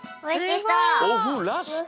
おふラスク！